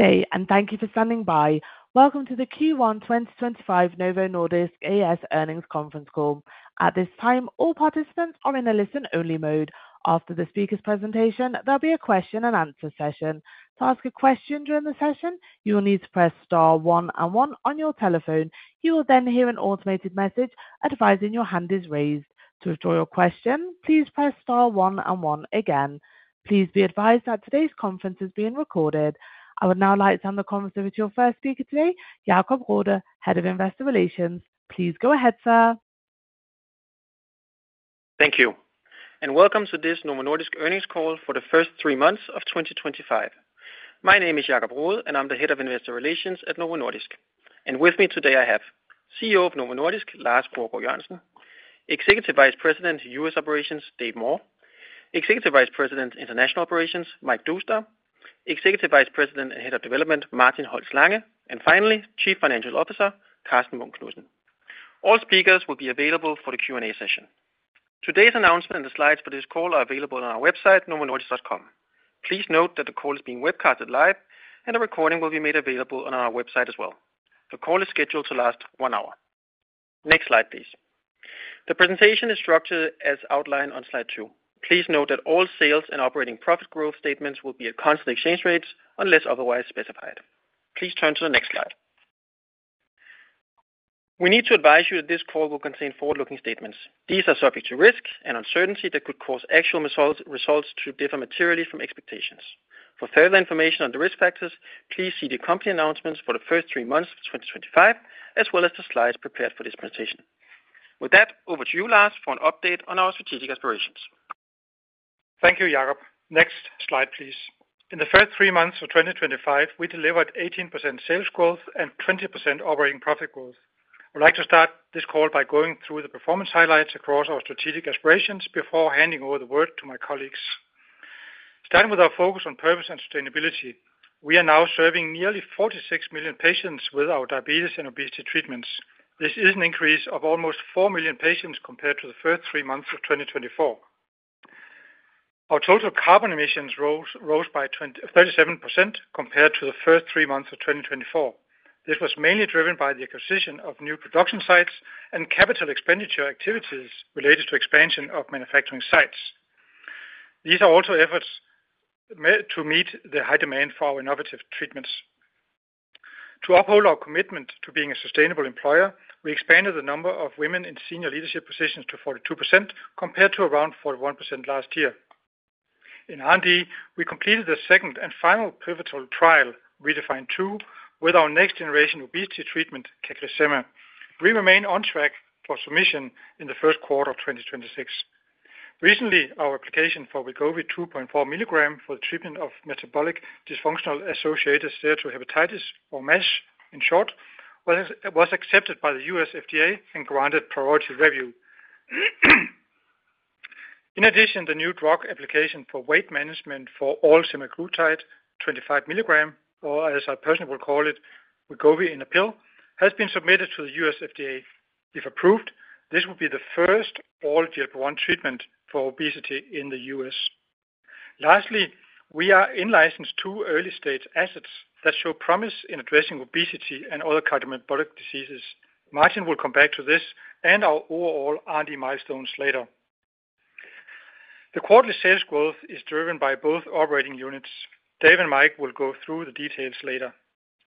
Good day, and thank you for standing by. Welcome to the Q1 2025 Novo Nordisk Earnings Conference Call. At this time, all participants are in a listen-only mode. After the speaker's presentation, there'll be a question-and-answer session. To ask a question during the session, you will need to press star one and one on your telephone. You will then hear an automated message advising your hand is raised. To withdraw your question, please press star one and one again. Please be advised that today's conference is being recorded. I would now like to turn the conference over to your first speaker today, Jacob Rode, Head of Investor Relations. Please go ahead, sir. Thank you, and welcome to this Novo Nordisk earnings call for the first three months of 2025. My name is Jakob Rode, and I'm the Head of Investor Relations at Novo Nordisk. With me today, I have CEO of Novo Nordisk, Lars Fruergaard Jørgensen, Executive Vice President, U.S. Operations, Dave Moore, Executive Vice President, International Operations, Maziar Doustdar, Executive Vice President and Head of Development, Martin Holst Lange, and finally, Chief Financial Officer, Karsten Munk Knudsen. All speakers will be available for the Q&A session. Today's announcement and the slides for this call are available on our website, novonordisk.com. Please note that the call is being webcast live, and a recording will be made available on our website as well. The call is scheduled to last one hour. Next slide, please. The presentation is structured as outlined on slide two. Please note that all sales and operating profit growth statements will be at constant exchange rates unless otherwise specified. Please turn to the next slide. We need to advise you that this call will contain forward-looking statements. These are subject to risk and uncertainty that could cause actual results to differ materially from expectations. For further information on the risk factors, please see the company announcements for the first three months of 2025, as well as the slides prepared for this presentation. With that, over to you, Lars, for an update on our strategic aspirations. Thank you, Jacob. Next slide, please. In the first three months of 2025, we delivered 18% sales growth and 20% operating profit growth. I'd like to start this call by going through the performance highlights across our strategic aspirations before handing over the word to my colleagues. Starting with our focus on purpose and sustainability, we are now serving nearly 46 million patients with our diabetes and obesity treatments. This is an increase of almost 4 million patients compared to the first three months of 2024. Our total carbon emissions rose by 37% compared to the first three months of 2024. This was mainly driven by the acquisition of new production sites and capital expenditure activities related to expansion of manufacturing sites. These are also efforts to meet the high demand for our innovative treatments. To uphold our commitment to being a sustainable employer, we expanded the number of women in senior leadership positions to 42% compared to around 41% last year. In R&D, we completed the second and final pivotal trial, REDEFINE 2, with our next-generation obesity treatment, CagriSema. We remain on track for submission in the first quarter of 2026. Recently, our application for Wegovy 2.4 mg for the treatment of Metabolic dysfunction-associated steatohepatitis, or MASH, in short, was accepted by the U.S. FDA and granted priority review. In addition, the new drug application for weight management for oral semaglutide 25 mg, or as I personally will call it, Wegovy in a pill, has been submitted to the U.S. FDA. If approved, this will be the first oral GLP-1 treatment for obesity in the U.S. Lastly, we are in-license two early-stage assets that show promise in addressing obesity and other cardiometabolic diseases. Martin will come back to this and our overall R&D milestones later. The quarterly sales growth is driven by both operating units. Dave and Mike will go through the details later.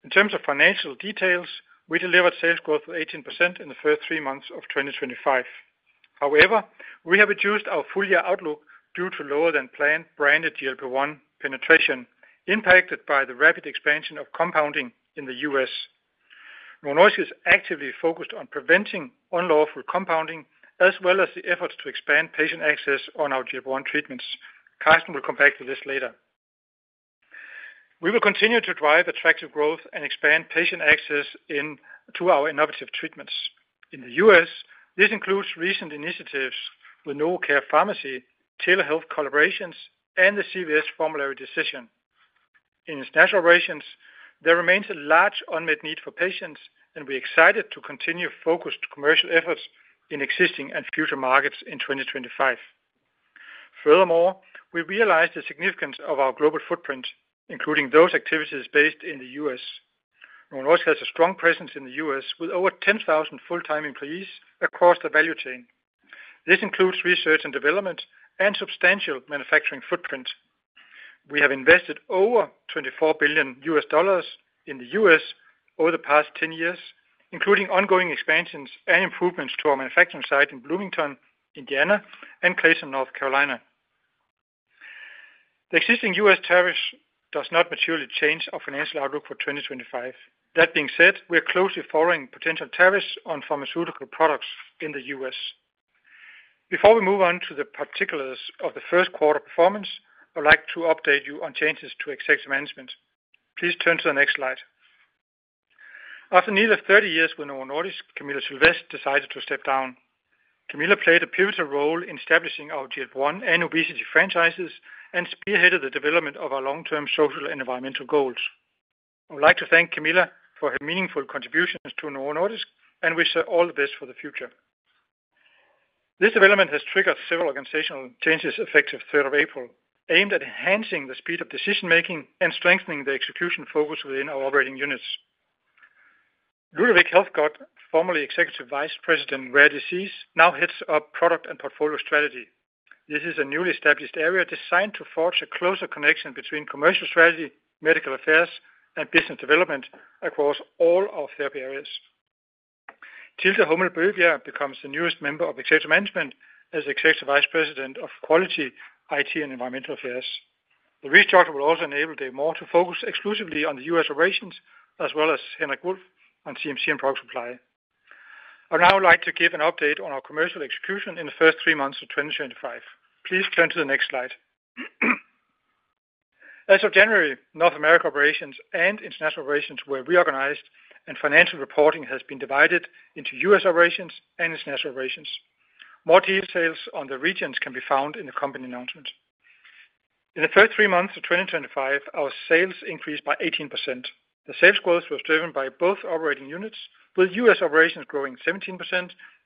In terms of financial details, we delivered sales growth of 18% in the first three months of 2025. However, we have reduced our full-year outlook due to lower-than-planned branded GLP-1 penetration impacted by the rapid expansion of compounding in the U.S. Novo is actively focused on preventing unlawful compounding, as well as the efforts to expand patient access on our GLP-1 treatments. Karsten will come back to this later. We will continue to drive attractive growth and expand patient access to our innovative treatments. In the U.S., this includes recent initiatives with NovoCare Pharmacy, telehealth collaborations, and the CVS formulary decision. In international relations, there remains a large unmet need for patients, and we are excited to continue focused commercial efforts in existing and future markets in 2025. Furthermore, we realize the significance of our global footprint, including those activities based in the U.S. Novo Nordisk has a strong presence in the U.S. with over 10,000 full-time employees across the value chain. This includes research and development and substantial manufacturing footprint. We have invested over $24 billion in the U.S. over the past 10 years, including ongoing expansions and improvements to our manufacturing site in Bloomington, Indiana, and Clayton, North Carolina. The existing U.S. tariffs do not materially change our financial outlook for 2025. That being said, we are closely following potential tariffs on pharmaceutical products in the U.S. Before we move on to the particulars of the first quarter performance, I'd like to update you on changes to executive management. Please turn to the next slide. After nearly 30 years with Novo Nordisk, Camilla Sylvest decided to step down. Camilla played a pivotal role in establishing our GLP-1 and obesity franchises and spearheaded the development of our long-term social and environmental goals. I would like to thank Camilla for her meaningful contributions to Novo Nordisk and wish her all the best for the future. This development has triggered several organizational changes effective 3rd of April, aimed at enhancing the speed of decision-making and strengthening the execution focus within our operating units. Ludovic Helfgott, formerly Executive Vice President, Rare Disease, now heads up product and portfolio strategy. This is a newly established area designed to forge a closer connection between commercial strategy, medical affairs, and business development across all our therapy areas. Thilde Hummel Bøgebjerg becomes the newest member of executive management as Executive Vice President of Quality, IT, and Environmental Affairs. The restructure will also enable Dave Moore to focus exclusively on the U.S. operations, as well as Henrik Wulff on CMC and product supply. I'd now like to give an update on our commercial execution in the first three months of 2025. Please turn to the next slide. As of January, North America operations and international operations were reorganized, and financial reporting has been divided into U.S. operations and international operations. More details on the regions can be found in the company announcement. In the first three months of 2025, our sales increased by 18%. The sales growth was driven by both operating units, with U.S. operations growing 17%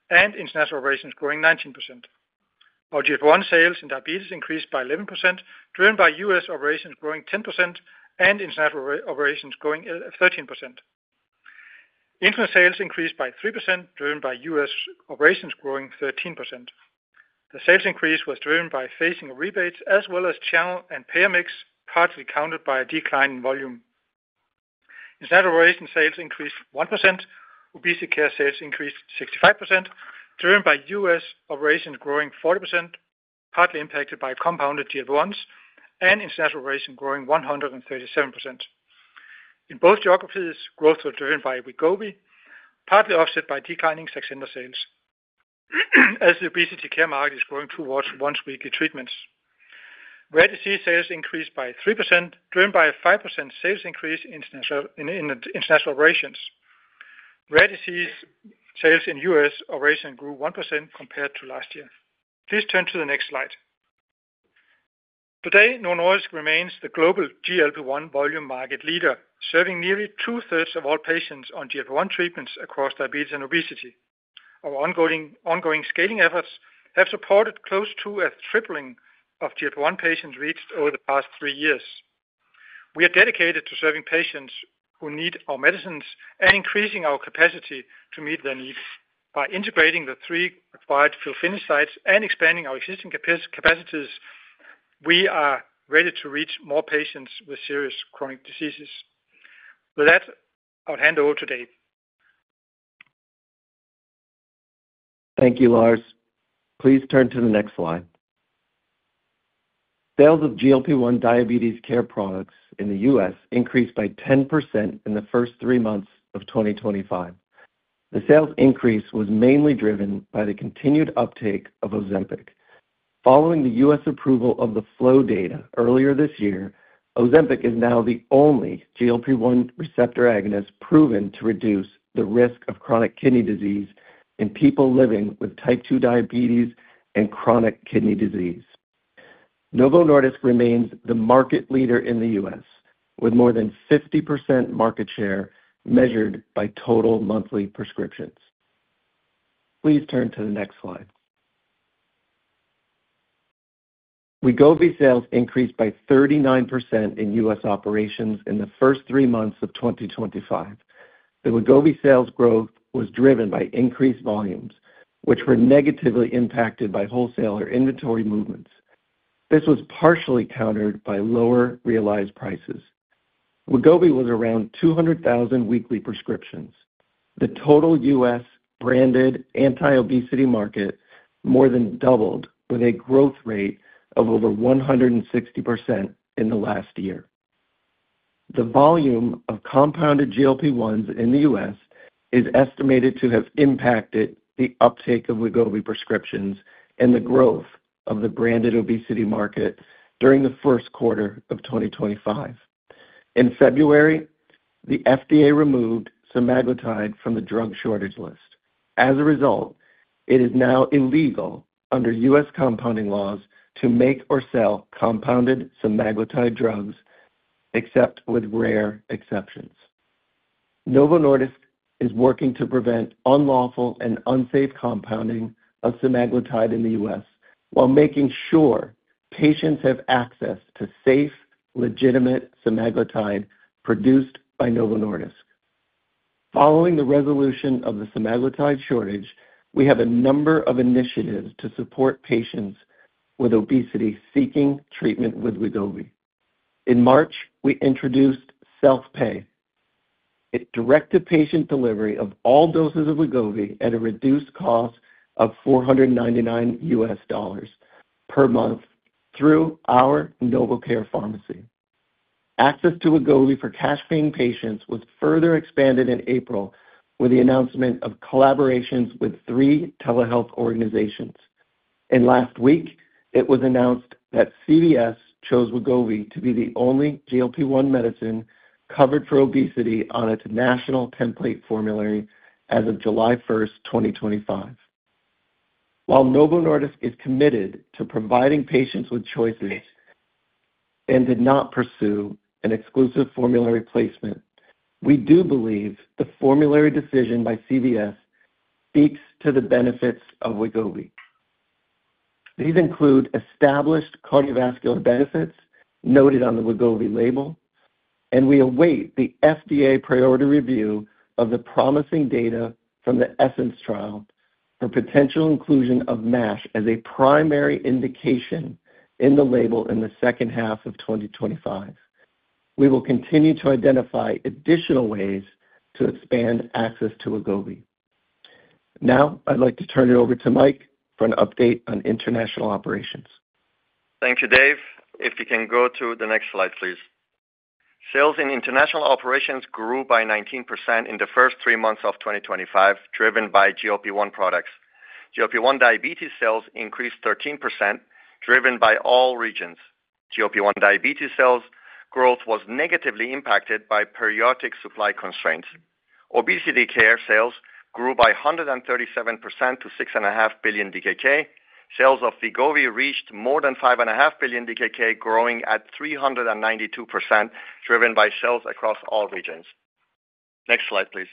and international operations growing 19%. Our GLP-1 sales in diabetes increased by 11%, driven by U.S. operations growing 10% and international operations growing 13%. International sales increased by 3%, driven by U.S. operations growing 13%. The sales increase was driven by phasing of rebates, as well as channel and payer mix, partly countered by a decline in volume. International operations sales increased 1%. Obesity care sales increased 65%, driven by U.S. operations growing 40%, partly impacted by compounded GLP-1s and international operations growing 137%. In both geographies, growth was driven by Wegovy, partly offset by declining Saxenda sales, as the obesity care market is growing towards once-weekly treatments. Rare disease sales increased by 3%, driven by a 5% sales increase in international operations. Rare disease sales in U.S. operations grew 1% compared to last year. Please turn to the next slide. Today, Novo Nordisk remains the global GLP-1 volume market leader, serving nearly 2/3 of all patients on GLP-1 treatments across diabetes and obesity. Our ongoing scaling efforts have supported close to a tripling of GLP-1 patients reached over the past three years. We are dedicated to serving patients who need our medicines and increasing our capacity to meet their needs. By integrating the three required fill finish sites and expanding our existing capacities, we are ready to reach more patients with serious chronic diseases. With that, I'll hand over today. Thank you, Lars. Please turn to the next slide. Sales of GLP-1 diabetes care products in the U.S. increased by 10% in the first three months of 2025. The sales increase was mainly driven by the continued uptake of Ozempic. Following the U.S. approval of the FLOW data earlier this year, Ozempic is now the only GLP-1 receptor agonist proven to reduce the risk of chronic kidney disease in people living with type II diabetes and chronic kidney disease. Novo Nordisk remains the market leader in the U.S., with more than 50% market share measured by total monthly prescriptions. Please turn to the next slide. Wegovy sales increased by 39% in U.S. operations in the first three months of 2025. The Wegovy sales growth was driven by increased volumes, which were negatively impacted by wholesale or inventory movements. This was partially countered by lower realized prices. Wegovy was around 200,000 weekly prescriptions. The total U.S. branded anti-obesity market more than doubled, with a growth rate of over 160% in the last year. The volume of compounded GLP-1s in the U.S. is estimated to have impacted the uptake of Wegovy prescriptions and the growth of the branded obesity market during the first quarter of 2025. In February, the FDA removed semaglutide from the drug shortage list. As a result, it is now illegal under U.S. compounding laws to make or sell compounded semaglutide drugs, except with rare exceptions. Novo Nordisk is working to prevent unlawful and unsafe compounding of semaglutide in the U.S. while making sure patients have access to safe, legitimate semaglutide produced by Novo Nordisk. Following the resolution of the semaglutide shortage, we have a number of initiatives to support patients with obesity seeking treatment with Wegovy. In March, we introduced self-pay. It directed patient delivery of all doses of Wegovy at a reduced cost of $499 per month through our NovoCare Pharmacy. Access to Wegovy for cash-paying patients was further expanded in April with the announcement of collaborations with three telehealth organizations. Last week, it was announced that CVS chose Wegovy to be the only GLP-1 medicine covered for obesity on its national template formulary as of July 1st, 2025. While Novo Nordisk is committed to providing patients with choices and did not pursue an exclusive formulary placement, we do believe the formulary decision by CVS speaks to the benefits of Wegovy. These include established cardiovascular benefits noted on the Wegovy label, and we await the FDA priority review of the promising data from the ESSENCE trial for potential inclusion of MASH as a primary indication in the label in the second half of 2025. We will continue to identify additional ways to expand access to Wegovy. Now, I'd like to turn it over to Mike for an update on international operations. Thank you, Dave. If you can go to the next slide, please. Sales in international operations grew by 19% in the first three months of 2025, driven by GLP-1 products. GLP-1 diabetes sales increased 13%, driven by all regions. GLP-1 diabetes sales growth was negatively impacted by periodic supply constraints. Obesity care sales grew by 137% to 6.5 billion DKK. Sales of Wegovy reached more than 5.5 billion DKK, growing at 392%, driven by sales across all regions. Next slide, please.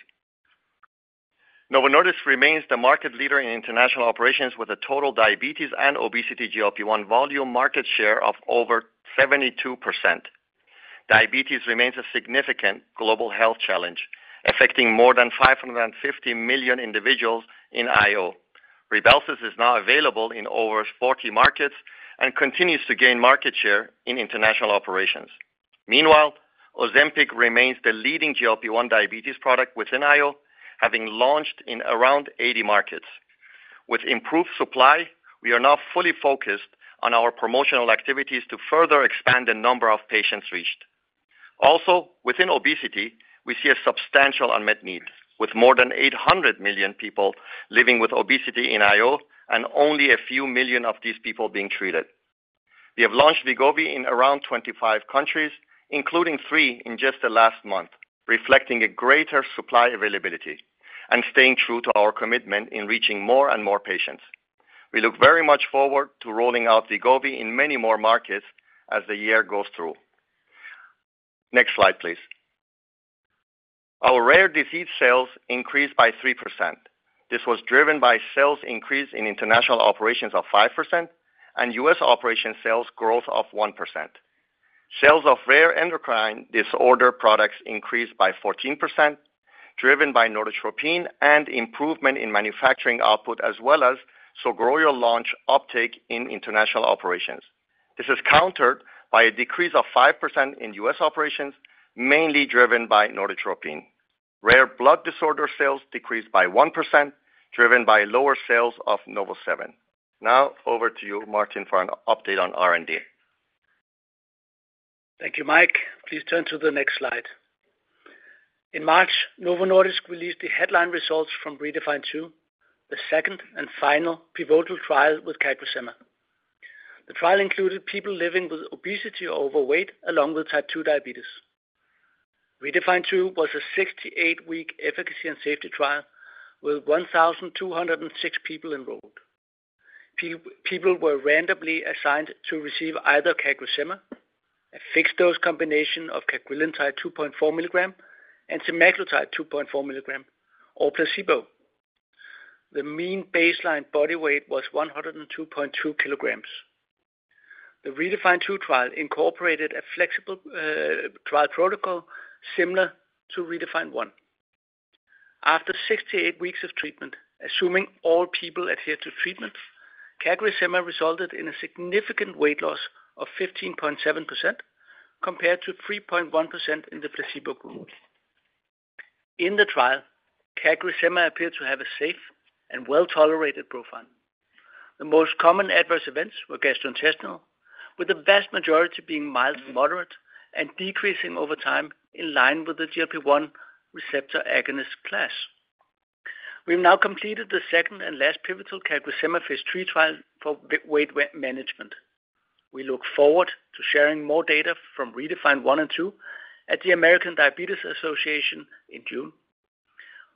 Novo Nordisk remains the market leader in international operations with a total diabetes and obesity GLP-1 volume market share of over 72%. Diabetes remains a significant global health challenge, affecting more than 550 million individuals in IO. RYBELSUS is now available in over 40 markets and continues to gain market share in international operations. Meanwhile, Ozempic remains the leading GLP-1 diabetes product within IO, having launched in around 80 markets. With improved supply, we are now fully focused on our promotional activities to further expand the number of patients reached. Also, within obesity, we see a substantial unmet need, with more than 800 million people living with obesity in IO and only a few million of these people being treated. We have launched Wegovy in around 25 countries, including three in just the last month, reflecting a greater supply availability and staying true to our commitment in reaching more and more patients. We look very much forward to rolling out Wegovy in many more markets as the year goes through. Next slide, please. Our rare disease sales increased by 3%. This was driven by sales increase in international operations of 5% and U.S. operations sales growth of 1%. Sales of rare endocrine disorder products increased by 14%, driven by Norditropin and improvement in manufacturing output, as well as Sogroya launch uptake in international operations. This is countered by a decrease of 5% in U.S. operations, mainly driven by Norditropin. Rare blood disorder sales decreased by 1%, driven by lower sales of NovoSeven. Now, over to you, Martin, for an update on R&D. Thank you, Mike. Please turn to the next slide. In March, Novo Nordisk released the headline results from REDEFINE 2, the second and final pivotal trial with CagriSema. The trial included people living with obesity or overweight, along with type II diabetes. REDEFINE 2 was a 68-week efficacy and safety trial with 1,206 people enrolled. People were randomly assigned to receive either CagriSema, a fixed-dose combination of Cagrilintide 2.4 mg and semaglutide 2.4 mg, or placebo. The mean baseline body weight was 102.2 kg. The REDEFINE 2 trial incorporated a flexible trial protocol similar to REDEFINE 1. After 68 weeks of treatment, assuming all people adhered to treatment, CagriSema resulted in a significant weight loss of 15.7% compared to 3.1% in the placebo group. In the trial, CagriSema appeared to have a safe and well-tolerated profile. The most common adverse events were gastrointestinal, with the vast majority being mild to moderate and decreasing over time in line with the GLP-1 receptor agonist class. We have now completed the second and last pivotal CagriSema phase III trial for weight management. We look forward to sharing more data from REDEFINE 1 and 2 at the American Diabetes Association in June.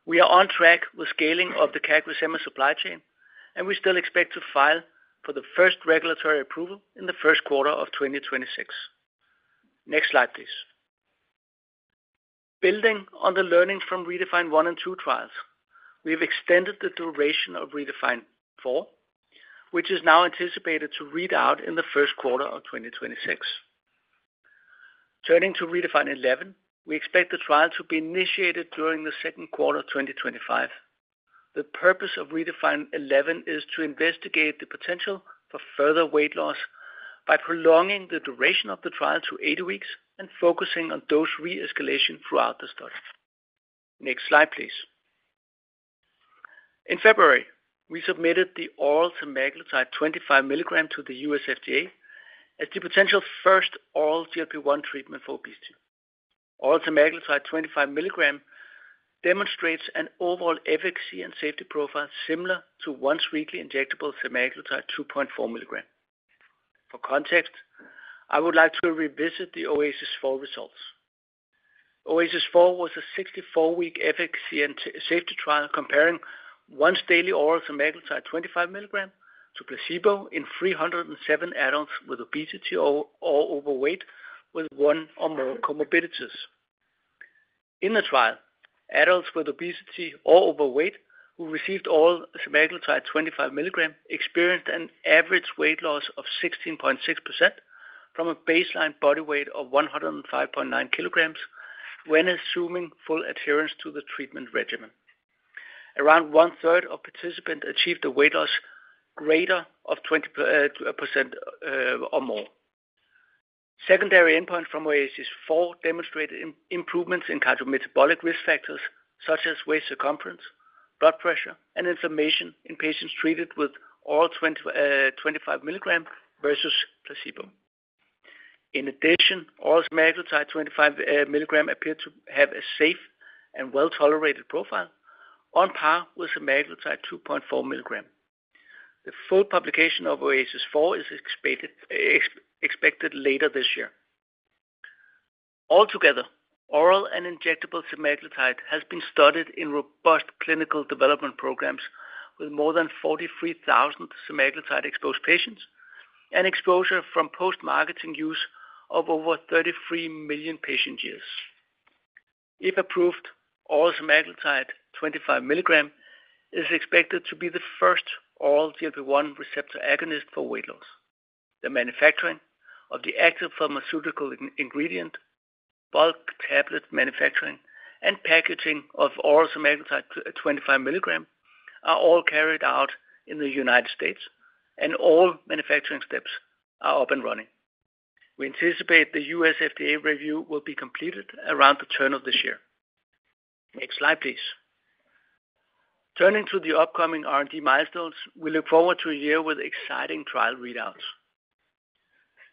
We are on track with scaling of the CagriSema supply chain, and we still expect to file for the first regulatory approval in the first quarter of 2026. Next slide, please. Building on the learnings from REDEFINE 1 and 2 trials, we have extended the duration of REDEFINE 4, which is now anticipated to read out in the first quarter of 2026. Turning to REDEFINE 11, we expect the trial to be initiated during the second quarter of 2025. The purpose of REDEFINE 11 is to investigate the potential for further weight loss by prolonging the duration of the trial to 80 weeks and focusing on dose re-escalation throughout the study. Next slide, please. In February, we submitted the oral Semaglutide 25 mg to the U.S. FDA as the potential first oral GLP-1 treatment for obesity. Oral semaglutide 25 mg demonstrates an overall efficacy and safety profile similar to once-weekly injectable semaglutide 2.4 mg. For context, I would like to revisit the OASIS 4 results. OASIS 4 was a 64-week efficacy and safety trial comparing once-daily oral semaglutide 25 mg to placebo in 307 adults with obesity or overweight with one or more comorbidities. In the trial, adults with obesity or overweight who received oral semaglutide 25 mg experienced an average weight loss of 16.6% from a baseline body weight of 105.9 kg when assuming full adherence to the treatment regimen. Around one-third of participants achieved a weight loss greater than 20% or more. Secondary endpoints from OASIS 4 demonstrated improvements in cardiometabolic risk factors such as waist circumference, blood pressure, and inflammation in patients treated with oral 25 mg versus placebo. In addition, oral semaglutide 25 mg appeared to have a safe and well-tolerated profile on par with semaglutide 2.4 mg. The full publication of OASIS 4 is expected later this year. Altogether, oral and injectable semaglutide has been studied in robust clinical development programs with more than 43,000 semaglutide-exposed patients and exposure from post-marketing use of over 33 million patient years. If approved, oral semaglutide 25 mg is expected to be the first oral GLP-1 receptor agonist for weight loss. The manufacturing of the active pharmaceutical ingredient, bulk tablet manufacturing, and packaging of oral semaglutide 25 mg are all carried out in the United States, and all manufacturing steps are up and running. We anticipate the U.S. FDA review will be completed around the turn of this year. Next slide, please. Turning to the upcoming R&D milestones, we look forward to a year with exciting trial readouts.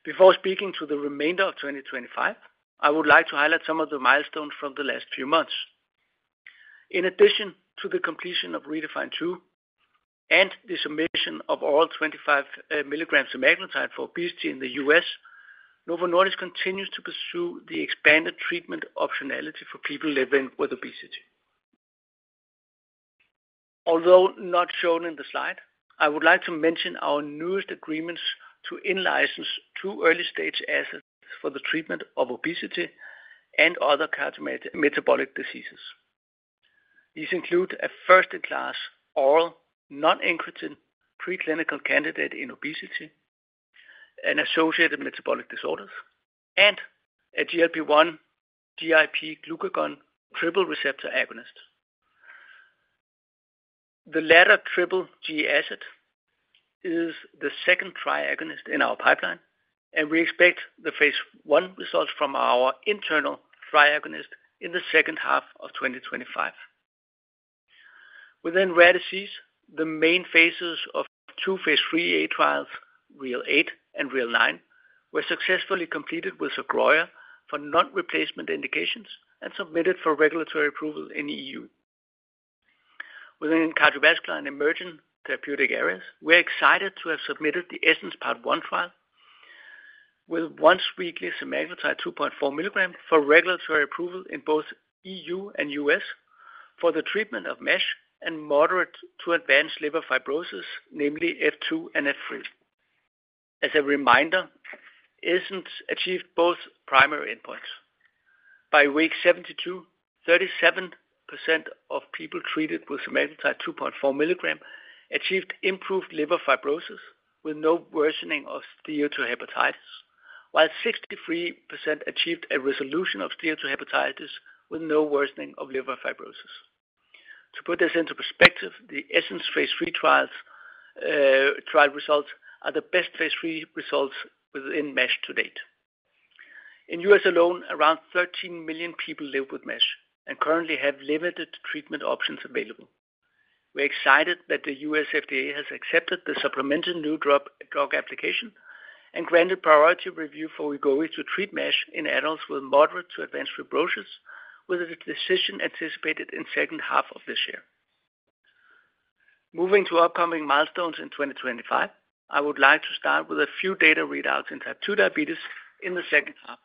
Before speaking to the remainder of 2025, I would like to highlight some of the milestones from the last few months. In addition to the completion of REDEFINE 2 and the submission of oral 25 mg semaglutide for obesity in the U.S., Novo Nordisk continues to pursue the expanded treatment optionality for people living with obesity. Although not shown in the slide, I would like to mention our newest agreements to in-license two early-stage assets for the treatment of obesity and other cardiometabolic diseases. These include a first-in-class oral non-incretin preclinical candidate in obesity and associated metabolic disorders, and a GLP-1 GIP glucagon triple receptor agonist. The latter triple G asset is the second tri-agonist in our pipeline, and we expect the phase I results from our internal tri-agonist in the second half of 2025. Within rare disease, the main phases of two phase III-A trials, REAL8 and REAL9, were successfully completed with Sogroya for non-replacement indications and submitted for regulatory approval in the EU. Within cardiovascular and emerging therapeutic areas, we are excited to have submitted the ESSENCE part I trial with once-weekly semaglutide 2.4 mg for regulatory approval in both EU and U.S. for the treatment of MASH and moderate to advanced liver fibrosis, namely F2 and F3. As a reminder, ESSENCE achieved both primary endpoints. By week 72, 37% of people treated with semaglutide 2.4 mg achieved improved liver fibrosis with no worsening of steatohepatitis, while 63% achieved a resolution of steatohepatitis with no worsening of liver fibrosis. To put this into perspective, the ESSENCE phase III trial results are the best phase III results within MASH to date. In the U.S. alone, around 13 million people live with MASH and currently have limited treatment options available. We are excited that the U.S. FDA has accepted the supplemental new drug application and granted priority review for Wegovy to treat MASH in adults with moderate to advanced fibrosis with a decision anticipated in the second half of this year. Moving to upcoming milestones in 2025, I would like to start with a few data readouts in type II diabetes in the second half.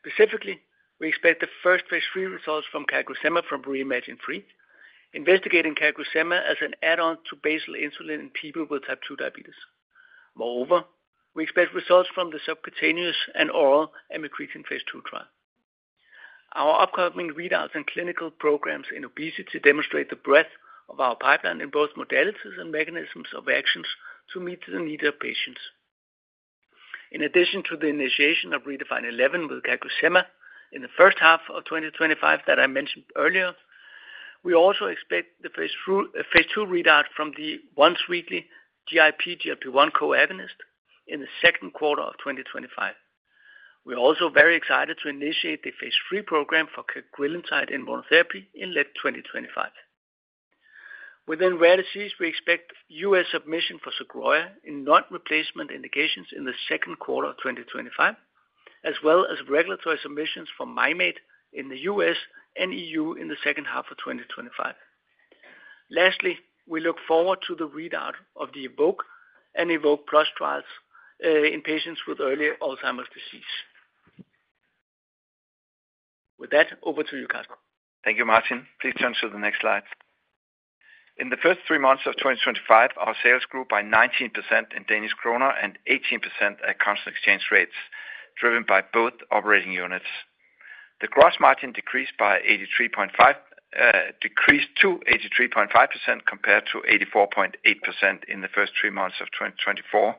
Specifically, we expect the first phase III results from CagriSema from REIMAGINE 3, investigating CagriSema as an add-on to basal insulin in people with type II diabetes. Moreover, we expect results from the subcutaneous and oral amycretin phase II trial. Our upcoming readouts and clinical programs in obesity demonstrate the breadth of our pipeline in both modalities and mechanisms of actions to meet the needs of patients. In addition to the initiation of REDEFINE 11 with CagriSema in the first half of 2025 that I mentioned earlier, we also expect the phase II readout from the once-weekly GIP-GLP-1 co-agonist in the second quarter of 2025. We are also very excited to initiate the phase III program for Cagrilintide in monotherapy in late 2025. Within rare disease, we expect U.S. submission for Sogroya in non-replacement indications in the second quarter of 2025, as well as regulatory submissions from PenMate in the U.S. and EU in the second half of 2025. Lastly, we look forward to the readout of the evoke and evoke+ trials in patients with early Alzheimer's disease. With that, over to you, Karsten. Thank you, Martin. Please turn to the next slide. In the first three months of 2025, our sales grew by 19% in DKK and 18% at constant exchange rates, driven by both operating units. The gross margin decreased to 83.5% compared to 84.8% in the first three months of 2024.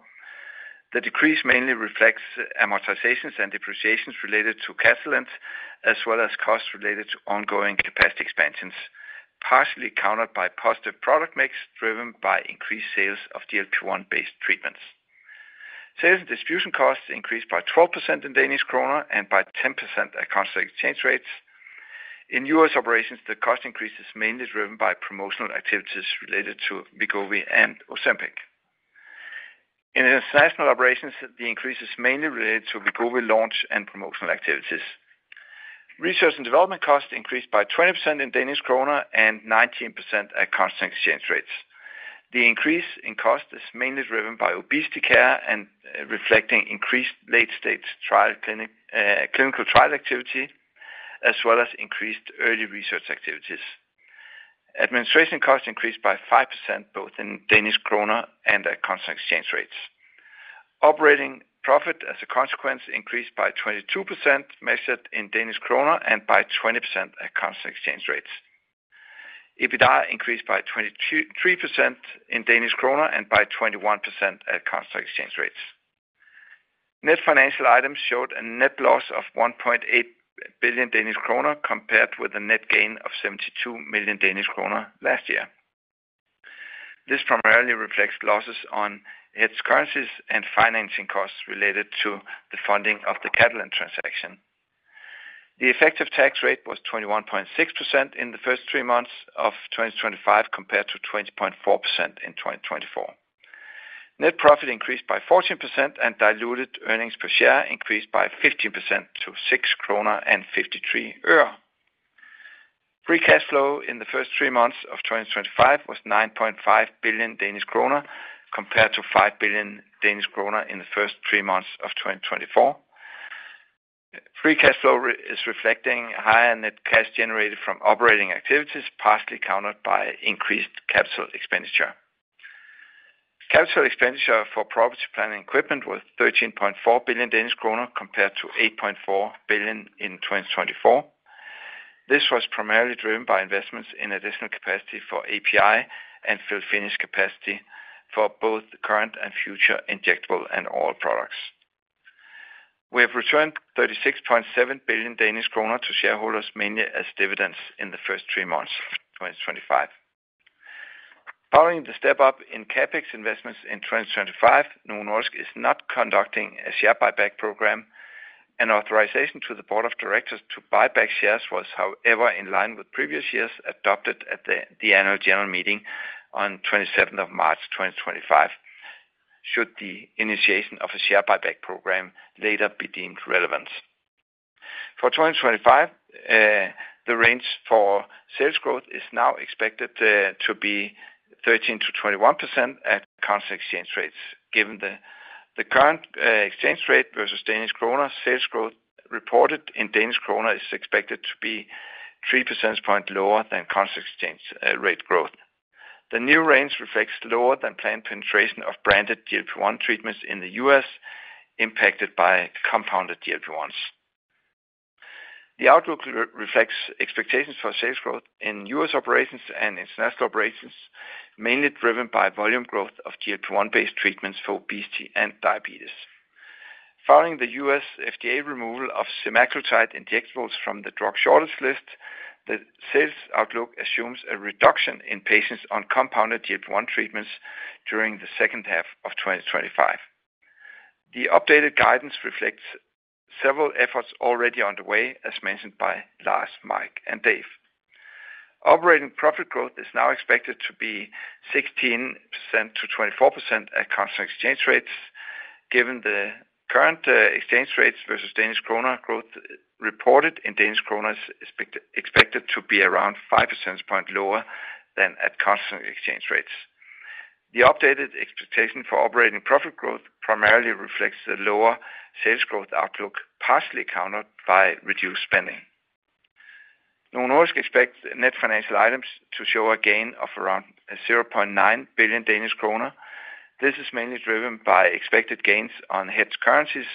The decrease mainly reflects amortizations and depreciations related to Catalent, as well as costs related to ongoing capacity expansions, partially countered by positive product mix driven by increased sales of GLP-1-based treatments. Sales and distribution costs increased by 12% in DKK and by 10% at constant exchange rates. In U.S. operations, the cost increase is mainly driven by promotional activities related to Wegovy and Ozempic. In international operations, the increase is mainly related to Wegovy launch and promotional activities. Research and development costs increased by 20% in DKK and 19% at constant exchange rates. The increase in cost is mainly driven by obesity care and reflecting increased late-stage clinical trial activity, as well as increased early research activities. Administration costs increased by 5% both in DKK and at constant exchange rates. Operating profit, as a consequence, increased by 22% measured in DKK and by 20% at constant exchange rates. EBITDA increased by 23% in DKK and by 21% at constant exchange rates. Net financial items showed a net loss of 1.8 billion Danish kroner compared with a net gain of 72 million Danish kroner last year. This primarily reflects losses on its currencies and financing costs related to the funding of the Catalent transaction. The effective tax rate was 21.6% in the first three months of 2025 compared to 20.4% in 2024. Net profit increased by 14% and diluted earnings per share increased by 15% to DKK 6.53. Free cash flow in the first three months of 2025 was 9.5 billion Danish kroner compared to 5 billion Danish kroner in the first three months of 2024. Free cash flow is reflecting higher net cash generated from operating activities, partially countered by increased capital expenditure. Capital expenditure for property, plant, and equipment was 13.4 billion Danish kroner compared to 8.4 billion in 2024. This was primarily driven by investments in additional capacity for API and filled finish capacity for both current and future injectable and oral products. We have returned 36.7 billion Danish kroner to shareholders, mainly as dividends in the first three months of 2025. Following the step-up in CapEx investments in 2025, Novo Nordisk is not conducting a share buyback program. An authorization to the Board of Directors to buy back shares was, however, in line with previous years adopted at the annual general meeting on 27 March 2025, should the initiation of a share buyback program later be deemed relevant. For 2025, the range for sales growth is now expected to be 13%-21% at constant exchange rates. Given the current exchange rate versus DKK, sales growth reported in DKK is expected to be 3% points lower than constant exchange rate growth. The new range reflects lower than planned penetration of branded GLP-1 treatments in the U.S. impacted by compounded GLP-1s. The outlook reflects expectations for sales growth in U.S. operations and international operations, mainly driven by volume growth of GLP-1-based treatments for obesity and diabetes. Following the U.S. FDA removal of semaglutide injectables from the drug shortage list, the sales outlook assumes a reduction in patients on compounded GLP-1 treatments during the second half of 2025. The updated guidance reflects several efforts already underway, as mentioned by Lars, Mike, and Dave. Operating profit growth is now expected to be 16%-24% at constant exchange rates. Given the current exchange rates versus Danish kroner, growth reported in Danish kroner is expected to be around 5% points lower than at constant exchange rates. The updated expectation for operating profit growth primarily reflects the lower sales growth outlook, partially countered by reduced spending. Novo Nordisk expects net financial items to show a gain of around 0.9 billion Danish kroner. This is mainly driven by expected gains on head currencies,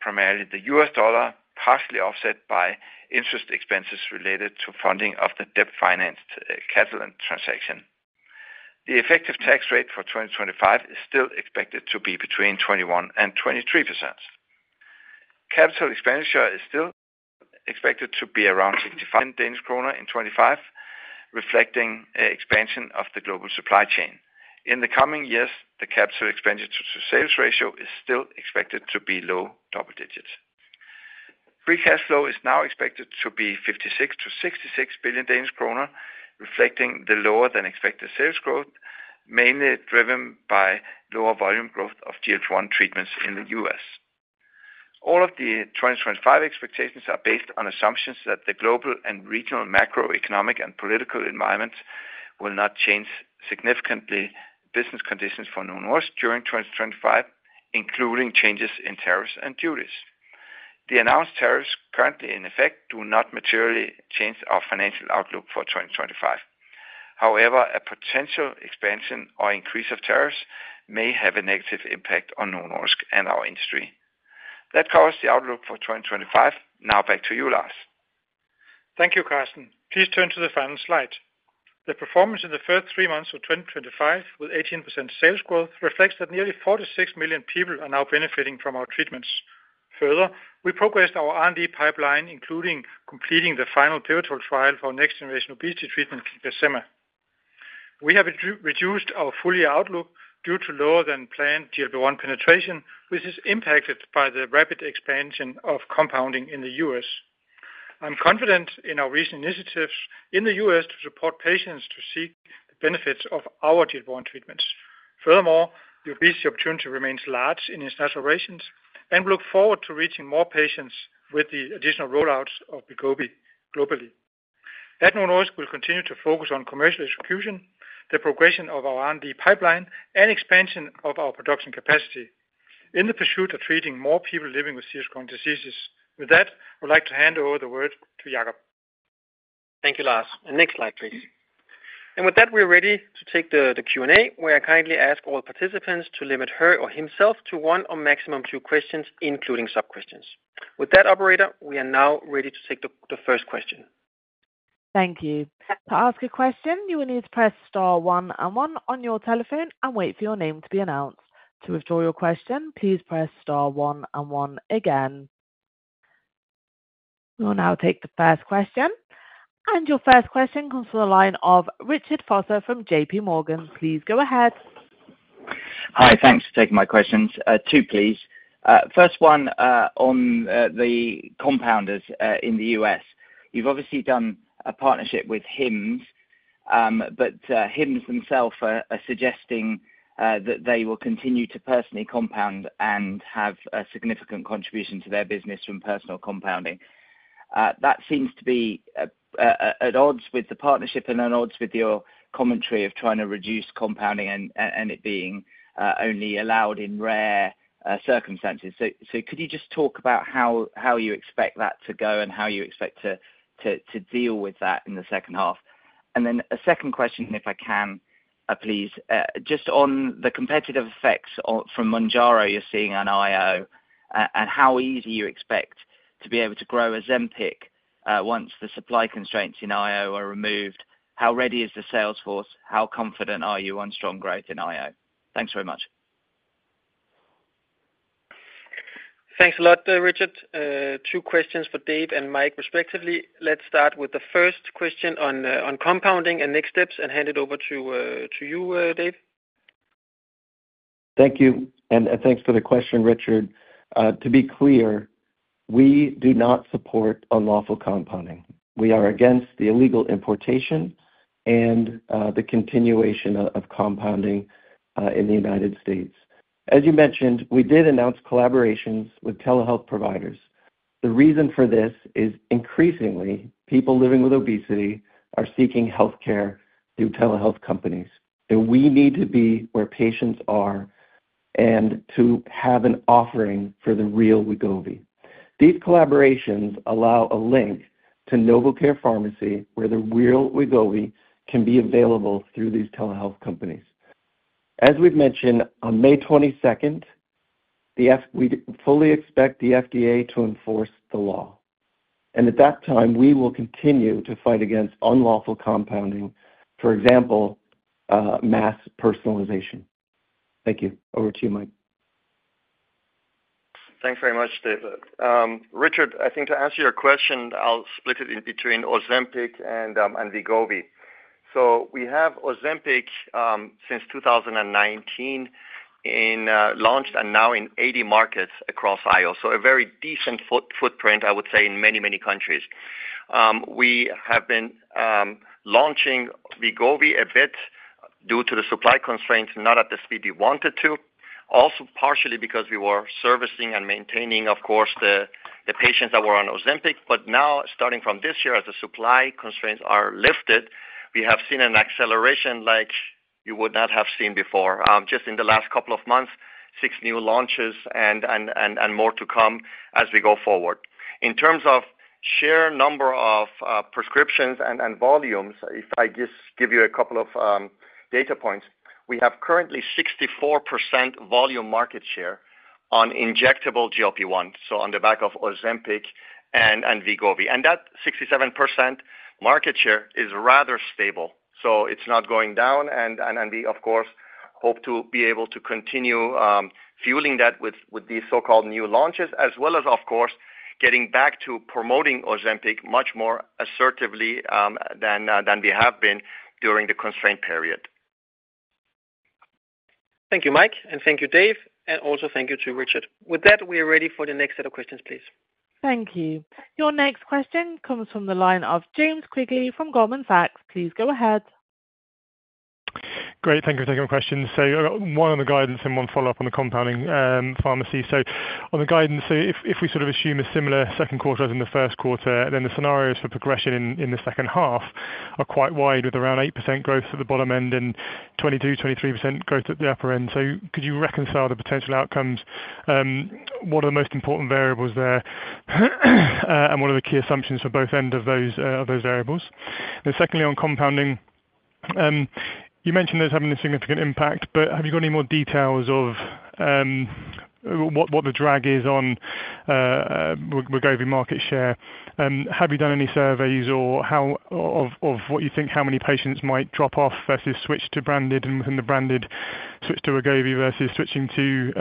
primarily the U.S. dollar, partially offset by interest expenses related to funding of the debt-financed Catalent transaction. The effective tax rate for 2025 is still expected to be between 21% and 23%. Capital expenditure is still expected to be around 65% in DKK in 2025, reflecting expansion of the global supply chain. In the coming years, the capital expenditure-to-sales ratio is still expected to be low double digits. Free cash flow is now expected to be 56 billion-66 billion Danish kroner, reflecting the lower-than-expected sales growth, mainly driven by lower volume growth of GLP-1 treatments in the U.S. All of the 2025 expectations are based on assumptions that the global and regional macroeconomic and political environment will not change significantly business conditions for Novo Nordisk during 2025, including changes in tariffs and duties. The announced tariffs currently in effect do not materially change our financial outlook for 2025. However, a potential expansion or increase of tariffs may have a negative impact on Novo Nordisk and our industry. That covers the outlook for 2025. Now back to you, Lars. Thank you, Karsten. Please turn to the final slide. The performance in the first three months of 2025, with 18% sales growth, reflects that nearly 46 million people are now benefiting from our treatments. Further, we progressed our R&D pipeline, including completing the final pivotal trial for next-generation obesity treatment, CagriSema. We have reduced our full-year outlook due to lower-than-planned GLP-1 penetration, which is impacted by the rapid expansion of compounding in the U.S. I'm confident in our recent initiatives in the U.S to support patients to seek the benefits of our GLP-1 treatments. Furthermore, the obesity opportunity remains large in international regions, and we look forward to reaching more patients with the additional rollout of Wegovy globally. At Novo Nordisk, we'll continue to focus on commercial execution, the progression of our R&D pipeline, and expansion of our production capacity in the pursuit of treating more people living with serious chronic diseases. With that, I would like to hand over the word to Jacob. Thank you, Lars. Next slide, please. With that, we're ready to take the Q&A. We kindly ask all participants to limit her or himself to one or maximum two questions, including sub-questions. With that, operator, we are now ready to take the first question. Thank you. To ask a question, you will need to press star one and one on your telephone and wait for your name to be announced. To withdraw your question, please press star one and one again. We'll now take the first question. Your first question comes from the line of Richard Vosser from JPMorgan. Please go ahead. Hi. Thanks for taking my questions. Two, please. First one on the compounders in the U.S. You've obviously done a partnership with Hims, but Hims themselves are suggesting that they will continue to personally compound and have a significant contribution to their business from personal compounding. That seems to be at odds with the partnership and at odds with your commentary of trying to reduce compounding and it being only allowed in rare circumstances. Could you just talk about how you expect that to go and how you expect to deal with that in the second half? A second question, if I can, please. Just on the competitive effects from Mounjaro you're seeing on IO and how easy you expect to be able to grow Ozempic once the supply constraints in IO are removed, how ready is the sales force? How confident are you on strong growth in IO? Thanks very much. Thanks a lot, Richard. Two questions for Dave and Mike respectively. Let's start with the first question on compounding and next steps, and hand it over to you, Dave. Thank you. Thank you for the question, Richard. To be clear, we do not support unlawful compounding. We are against the illegal importation and the continuation of compounding in the U.S. As you mentioned, we did announce collaborations with telehealth providers. The reason for this is increasingly people living with obesity are seeking health care through telehealth companies. We need to be where patients are and to have an offering for the real Wegovy. These collaborations allow a link to NovoCare Pharmacy, where the real Wegovy can be available through these telehealth companies. As we have mentioned, on May 22nd, we fully expect the FDA to enforce the law. At that time, we will continue to fight against unlawful compounding, for example, mass personalization. Thank you. Over to you, Mike. Thanks very much, David. Richard, I think to answer your question, I'll split it in between Ozempic and Wegovy. We have Ozempic since 2019, launched and now in 80 markets across IO. A very decent footprint, I would say, in many, many countries. We have been launching Wegovy a bit due to the supply constraints, not at the speed we wanted to, also partially because we were servicing and maintaining, of course, the patients that were on Ozempic. Now, starting from this year, as the supply constraints are lifted, we have seen an acceleration like you would not have seen before. Just in the last couple of months, six new launches and more to come as we go forward. In terms of share number of prescriptions and volumes, if I just give you a couple of data points, we have currently 64% volume market share on injectable GLP-1, so on the back of Ozempic and Wegovy. That 67% market share is rather stable. It is not going down. We, of course, hope to be able to continue fueling that with these so-called new launches, as well as, of course, getting back to promoting Ozempic much more assertively than we have been during the constraint period. Thank you, Mike. Thank you, Dave. Thank you to Richard. With that, we are ready for the next set of questions, please. Thank you. Your next question comes from the line of James Quigley from Goldman Sachs. Please go ahead. Great. Thank you for taking my question. One on the guidance and one follow-up on the compounding pharmacy. On the guidance, if we sort of assume a similar second quarter as in the first quarter, then the scenarios for progression in the second half are quite wide, with around 8% growth at the bottom end and 22%-23% growth at the upper end. Could you reconcile the potential outcomes? What are the most important variables there? What are the key assumptions for both ends of those variables? Secondly, on compounding, you mentioned there's having a significant impact, but have you got any more details of what the drag is on Wegovy market share? Have you done any surveys of what you think, how many patients might drop off versus switch to branded, and within the branded, switch to Wegovy versus switching to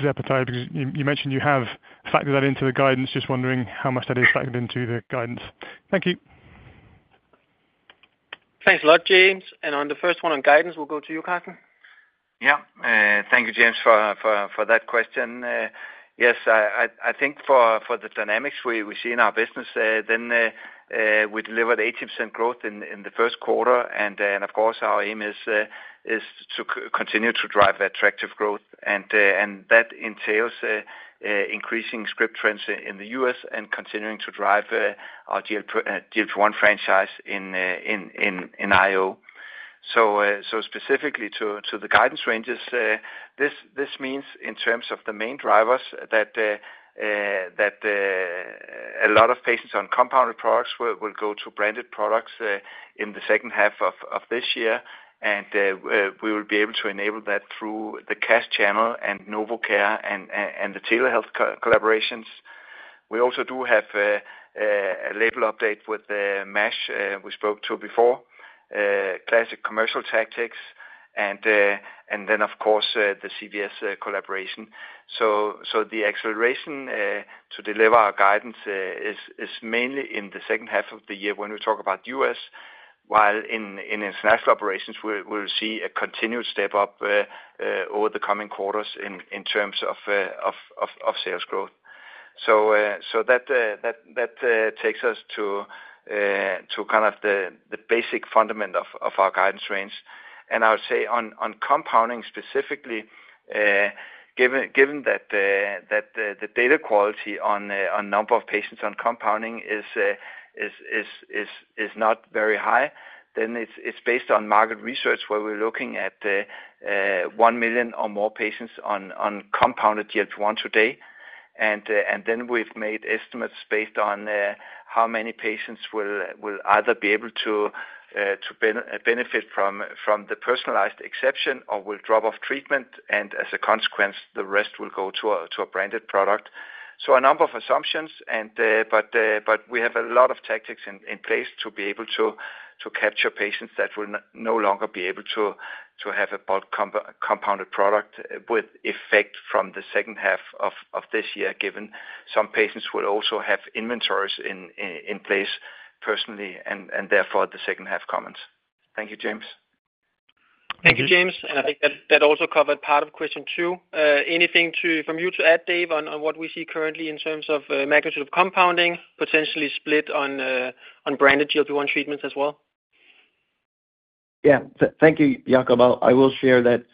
Zepbound? Because you mentioned you have factored that into the guidance. Just wondering how much that is factored into the guidance. Thank you. Thanks a lot, James. On the first one on guidance, we'll go to you, Karsten. Yeah. Thank you, James, for that question. Yes, I think for the dynamics we see in our business, then we delivered 80% growth in the first quarter. Of course, our aim is to continue to drive attractive growth. That entails increasing script trends in the U.S. and continuing to drive our GLP-1 franchise in IO. Specifically to the guidance ranges, this means in terms of the main drivers that a lot of patients on compounded products will go to branded products in the second half of this year. We will be able to enable that through the Cash channel and NovoCare and the telehealth collaborations. We also do have a label update with MASH we spoke to before, classic commercial tactics, and then, of course, the CVS collaboration. The acceleration to deliver our guidance is mainly in the second half of the year when we talk about U.S., while in international operations, we'll see a continued step up over the coming quarters in terms of sales growth. That takes us to kind of the basic fundament of our guidance range. I would say on compounding specifically, given that the data quality on number of patients on compounding is not very high, then it's based on market research where we're looking at 1 million or more patients on compounded GLP-1 today. We've made estimates based on how many patients will either be able to benefit from the personalized exception or will drop off treatment. As a consequence, the rest will go to a branded product. A number of assumptions, but we have a lot of tactics in place to be able to capture patients that will no longer be able to have a compounded product with effect from the second half of this year, given some patients will also have inventories in place personally and therefore the second half comments. Thank you, James. Thank you, James. I think that also covered part of question two. Anything from you to add, Dave, on what we see currently in terms of magnitude of compounding, potentially split on branded GLP-1 treatments as well? Yeah. Thank you, Jacob. I will share that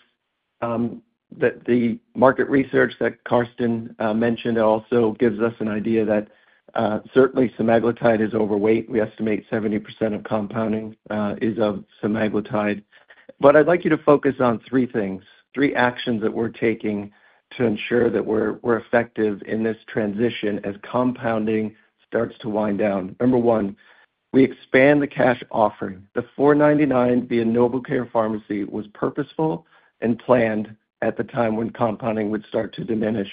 the market research that Karsten mentioned also gives us an idea that certainly semaglutide is overweight. We estimate 70% of compounding is of semaglutide. I'd like you to focus on three things, three actions that we're taking to ensure that we're effective in this transition as compounding starts to wind down. Number one, we expand the cash offering. The $499 via NovoCare Pharmacy was purposeful and planned at the time when compounding would start to diminish,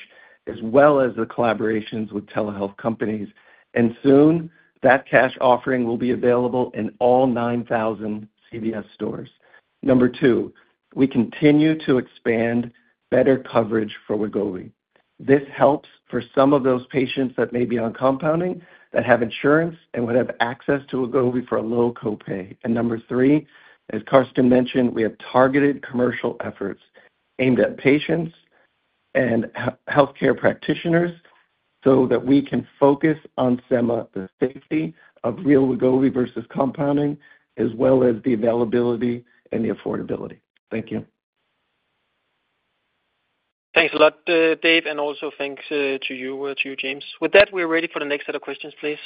as well as the collaborations with telehealth companies. That cash offering will soon be available in all 9,000 CVS stores. Number two, we continue to expand better coverage for Wegovy. This helps for some of those patients that may be on compounding that have insurance and would have access to Wegovy for a low copay. Number three, as Karsten mentioned, we have targeted commercial efforts aimed at patients and health care practitioners so that we can focus on the safety of real Wegovy versus compounding, as well as the availability and the affordability. Thank you. Thanks a lot, Dave. Also, thanks to you, James. With that, we're ready for the next set of questions, please.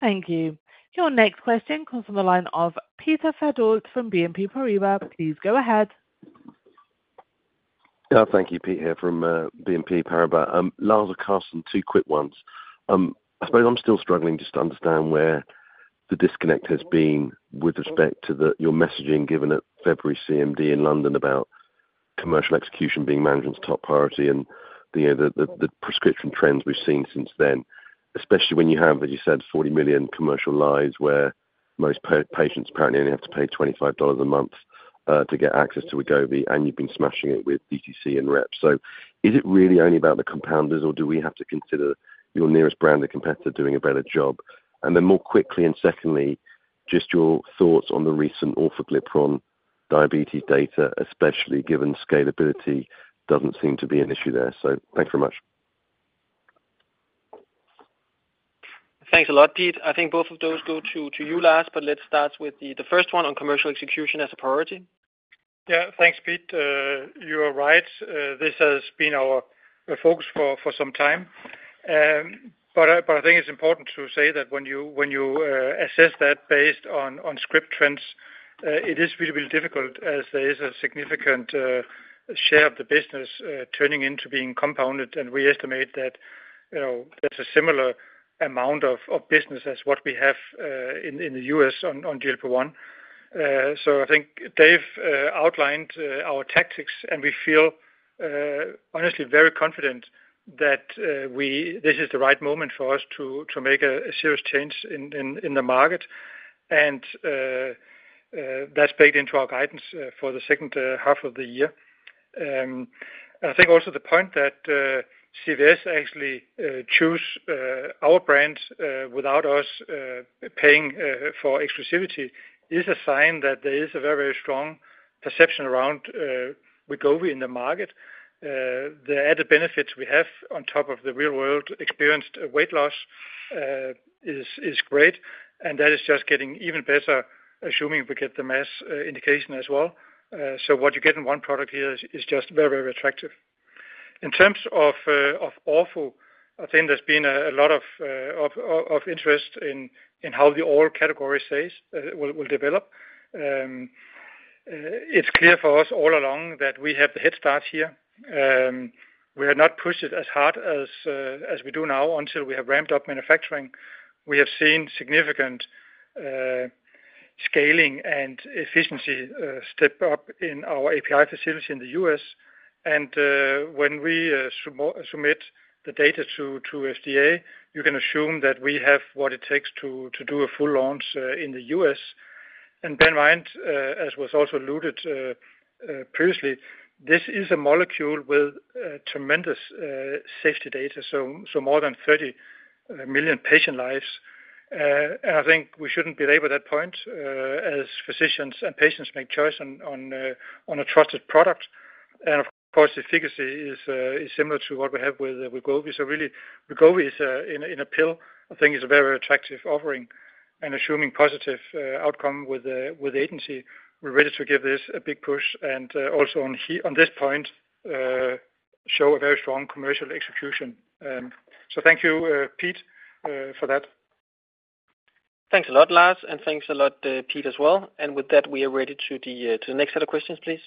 Thank you. Your next question comes from the line of Peter Verdult from BNP Paribas. Please go ahead. Thank you, Peter, from BNP Paribas. Lars, Karsten, two quick ones. I suppose I'm still struggling just to understand where the disconnect has been with respect to your messaging given at February's CMD in London about commercial execution being management's top priority and the prescription trends we've seen since then, especially when you have, as you said, 40 million commercial lives where most patients apparently only have to pay $25 a month to get access to Wegovy, and you've been smashing it with DTC and reps. Is it really only about the compounders, or do we have to consider your nearest branded competitor doing a better job? More quickly, and secondly, just your thoughts on the recent orforglipron diabetes data, especially given scalability doesn't seem to be an issue there. Thanks very much. Thanks a lot, Pete. I think both of those go to you, Lars. Let's start with the first one on commercial execution as a priority. Yeah. Thanks, Pete. You are right. This has been our focus for some time. I think it's important to say that when you assess that based on script trends, it is really, really difficult as there is a significant share of the business turning into being compounded. We estimate that there's a similar amount of business as what we have in the U.S. on GLP-1. I think Dave outlined our tactics, and we feel, honestly, very confident that this is the right moment for us to make a serious change in the market. That's baked into our guidance for the second half of the year. I think also the point that CVS actually chose our brand without us paying for exclusivity is a sign that there is a very, very strong perception around Wegovy in the market. The added benefits we have on top of the real-world experienced weight loss is great. That is just getting even better, assuming we get the MASH indication as well. What you get in one product here is just very, very attractive. In terms of oral, I think there's been a lot of interest in how the oral category will develop. It's clear for us all along that we have the head start here. We have not pushed it as hard as we do now until we have ramped up manufacturing. We have seen significant scaling and efficiency step up in our API facility in the U.S. When we submit the data to FDA, you can assume that we have what it takes to do a full launch in the U.S. Bear in mind, as was also alluded to previously, this is a molecule with tremendous safety data, so more than 30 million patient lives. I think we should not be late with that point as physicians and patients make choice on a trusted product. Of course, efficacy is similar to what we have with Wegovy. Really, Wegovy is in a pill. I think it is a very, very attractive offering and assuming positive outcome with agency, we are ready to give this a big push. Also on this point, show a very strong commercial execution. Thank you, Pete, for that. Thanks a lot, Lars. Thanks a lot, Pete, as well. With that, we are ready to the next set of questions, please.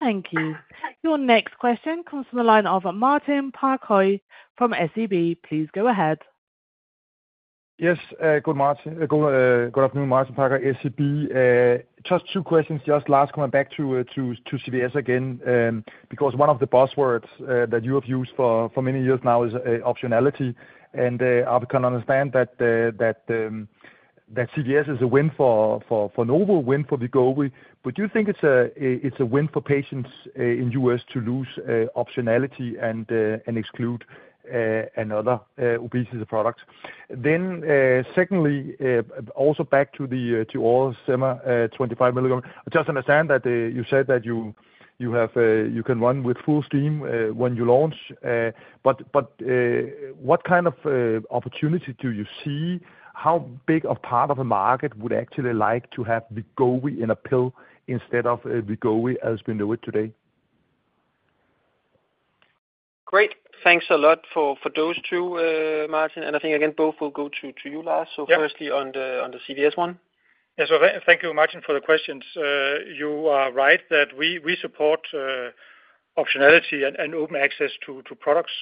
Thank you. Your next question comes from the line of Martin Parkhøi from SEB. Please go ahead. Yes. Good afternoon, Martin Parkhøi, SEB. Just two questions, just Lars coming back to CVS again, because one of the buzzwords that you have used for many years now is optionality. I can understand that CVS is a win for Novo, win for Wegovy. Do you think it's a win for patients in the U.S. to lose optionality and exclude another obesity product? Secondly, also back to oral sema 25 mg, I just understand that you said that you can run with full steam when you launch. What kind of opportunity do you see? How big a part of the market would actually like to have Wegovy in a pill instead of Wegovy as we know it today? Great. Thanks a lot for those two, Martin. I think, again, both will go to you, Lars. Firstly on the CVS one. Yes. Thank you, Martin, for the questions. You are right that we support optionality and open access to products.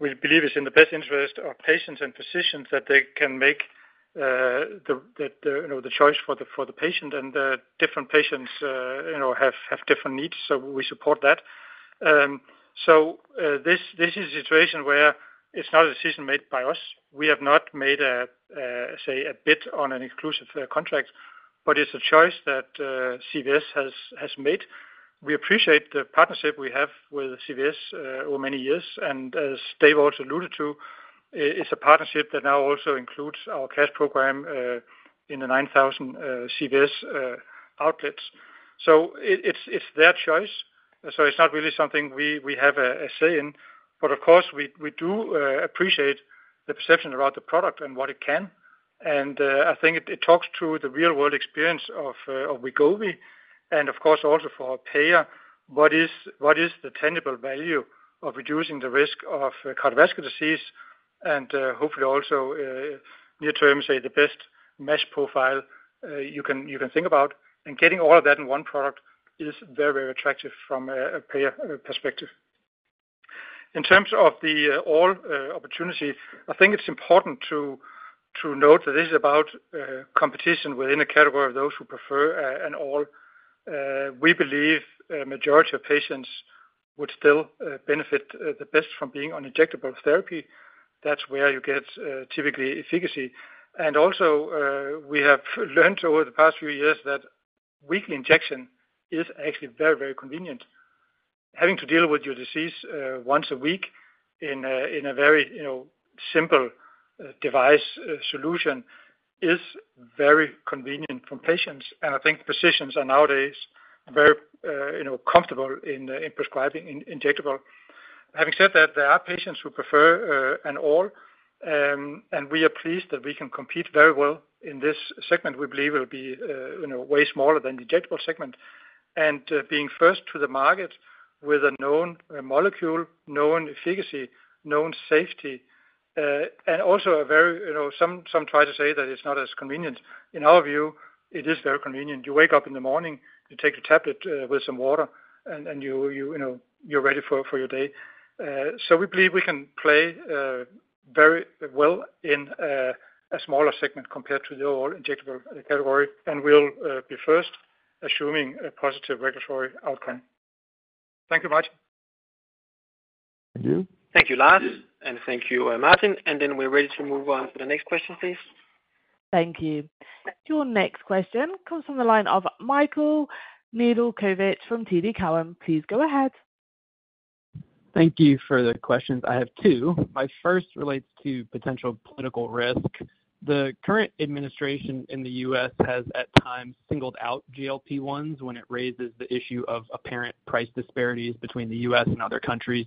We believe it's in the best interest of patients and physicians that they can make the choice for the patient. Different patients have different needs. We support that. This is a situation where it's not a decision made by us. We have not made, say, a bid on an exclusive contract, but it's a choice that CVS has made. We appreciate the partnership we have with CVS over many years. As Dave also alluded to, it's a partnership that now also includes our cash program in the 9,000 CVS outlets. It's their choice. It's not really something we have a say in. Of course, we do appreciate the perception around the product and what it can. I think it talks to the real-world experience of Wegovy. Of course, also for our payer, what is the tangible value of reducing the risk of cardiovascular disease and hopefully also near-term, say, the best MASH profile you can think about? Getting all of that in one product is very, very attractive from a payer perspective. In terms of the oral opportunity, I think it's important to note that this is about competition within a category of those who prefer an oral. We believe a majority of patients would still benefit the best from being on injectable therapy. That's where you get typically efficacy. Also, we have learned over the past few years that weekly injection is actually very, very convenient. Having to deal with your disease once a week in a very simple device solution is very convenient for patients. I think physicians are nowadays very comfortable in prescribing injectable. Having said that, there are patients who prefer an oral. We are pleased that we can compete very well in this segment. We believe it will be way smaller than the injectable segment. Being first to the market with a known molecule, known efficacy, known safety, and also some try to say that it is not as convenient. In our view, it is very convenient. You wake up in the morning, you take the tablet with some water, and you are ready for your day. We believe we can play very well in a smaller segment compared to the oral injectable category. We will be first, assuming a positive regulatory outcome. Thank you, Martin. Thank you. Thank you, Lars. Thank you, Martin. We are ready to move on to the next question, please. Thank you. Your next question comes from the line of Michael Nedelcovych from TD Cowen. Please go ahead. Thank you for the questions. I have two. My first relates to potential political risk. The current administration in the U.S. has at times singled out GLP-1s when it raises the issue of apparent price disparities between the U.S. and other countries.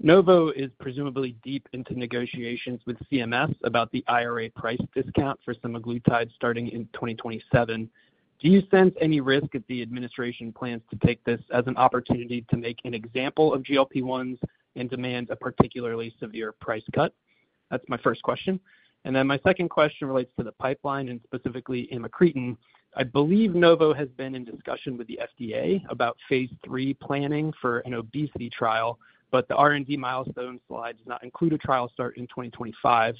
Novo is presumably deep into negotiations with CMS about the IRA price discount for semaglutide starting in 2027. Do you sense any risk if the administration plans to take this as an opportunity to make an example of GLP-1s and demand a particularly severe price cut? That's my first question. My second question relates to the pipeline and specifically amycretin. I believe Novo has been in discussion with the FDA about phase III planning for an obesity trial, but the R&D milestone slide does not include a trial start in 2025.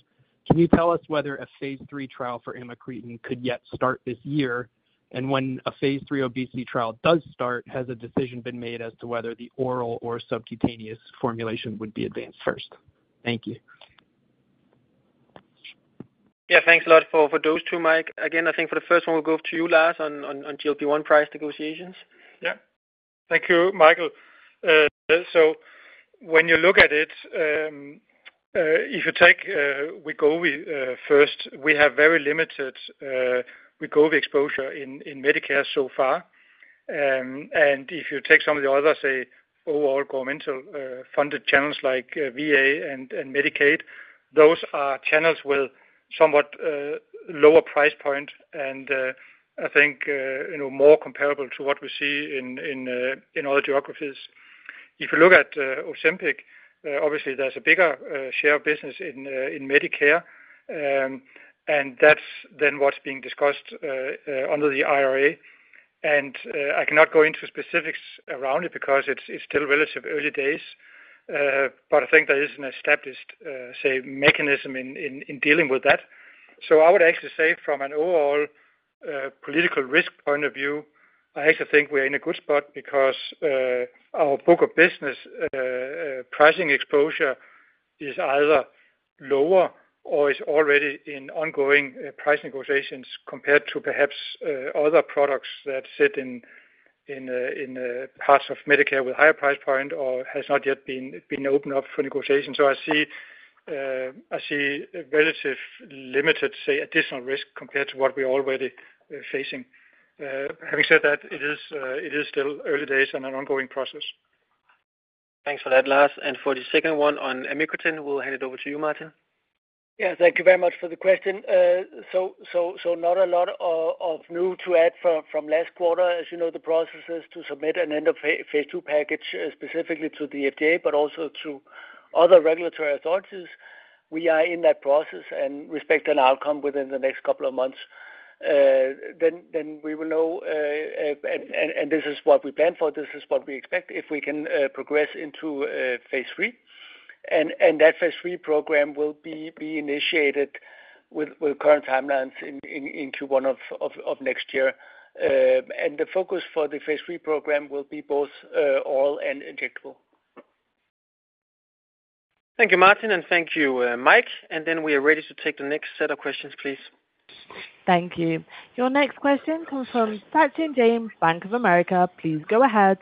Can you tell us whether a phase III trial for amycretin could yet start this year? When a phase III obesity trial does start, has a decision been made as to whether the oral or subcutaneous formulation would be advanced first? Thank you. Yeah. Thanks a lot for those two, Mike. Again, I think for the first one, we'll go to you, Lars, on GLP-1 price negotiations. Yeah. Thank you, Michael. If you take Wegovy first, we have very limited Wegovy exposure in Medicare so far. If you take some of the other, say, overall governmental funded channels like VA and Medicaid, those are channels with somewhat lower price points. I think more comparable to what we see in other geographies. If you look at Ozempic, obviously, there's a bigger share of business in Medicare. That's then what's being discussed under the IRA. I cannot go into specifics around it because it's still relatively early days. I think there is an established, say, mechanism in dealing with that. I would actually say from an overall political risk point of view, I actually think we're in a good spot because our book of business pricing exposure is either lower or is already in ongoing price negotiations compared to perhaps other products that sit in parts of Medicare with a higher price point or has not yet been opened up for negotiation. I see a relatively limited, say, additional risk compared to what we're already facing. Having said that, it is still early days and an ongoing process. Thanks for that, Lars. For the second one on amycretin, we'll hand it over to you, Martin. Thank you very much for the question. Not a lot of news to add from last quarter. As you know, the process is to submit an end-of-phase II package specifically to the FDA, but also to other regulatory authorities. We are in that process and expect an outcome within the next couple of months. We will know, and this is what we plan for, this is what we expect if we can progress into phase III. That phase III program will be initiated with current timelines in Q1 of next year. The focus for the phase III program will be both oral and injectable. Thank you, Martin. Thank you, Mike. We are ready to take the next set of questions, please. Thank you. Your next question comes from Sachin Jain, Bank of America. Please go ahead.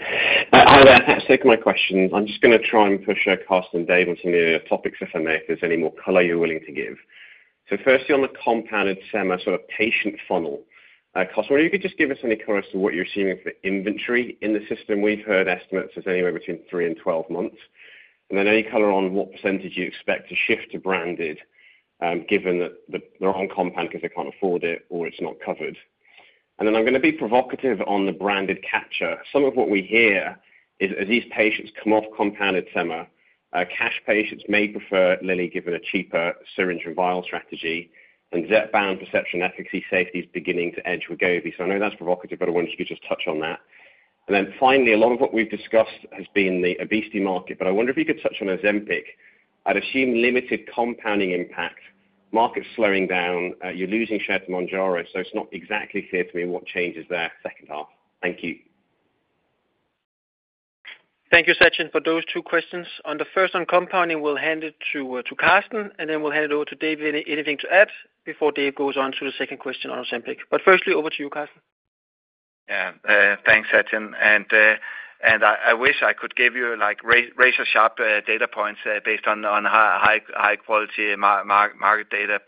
Hi, there. Thanks for taking my question. I'm just going to try and push Karsten and Dave on some of the topics if I may, if there's any more color you're willing to give. Firstly, on the compounded semaglutide sort of patient funnel, Karsten, would you just give us any color as to what you're seeing for inventory in the system? We've heard estimates as anywhere between three and twelve months. Any color on what percentage you expect to shift to branded, given that they're on compound because they can't afford it or it's not covered. I'm going to be provocative on the branded capture. Some of what we hear is, as these patients come off compounded semaglutide, cash patients may prefer Lilly given a cheaper syringe and vial strategy. Zepbound, perception, efficacy, safety is beginning to edge Wegovy. I know that's provocative, but I wonder if you could just touch on that. And then finally, a lot of what we've discussed has been the obesity market. I wonder if you could touch on Ozempic. I'd assume limited compounding impact, market slowing down, you're losing share to Mounjaro. It's not exactly clear to me what changes there second half. Thank you. Thank you, Sachin, for those two questions. On the first on compounding, we'll hand it to Karsten. Then we'll hand it over to Dave if he has anything to add before Dave goes on to the second question on Ozempic. Firstly, over to you, Karsten. Yeah. Thanks, Sachin. I wish I could give you razor-sharp data points based on high-quality market data.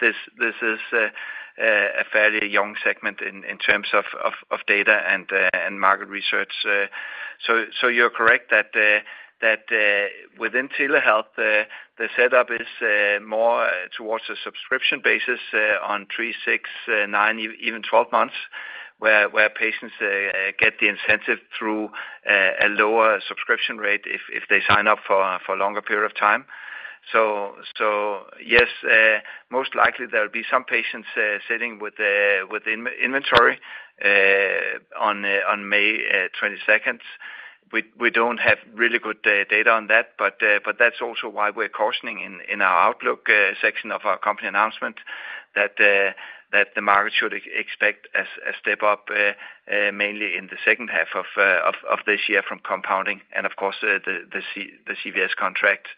This is a fairly young segment in terms of data and market research. You're correct that within telehealth, the setup is more towards a subscription basis on three, six, nine, even 12 months, where patients get the incentive through a lower subscription rate if they sign up for a longer period of time. Yes, most likely there'll be some patients sitting with inventory on May 22nd. We don't have really good data on that. That's also why we're cautioning in our Outlook section of our company announcement that the market should expect a step up mainly in the second half of this year from compounding and, of course, the CVS contract.